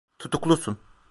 Tutuklusun.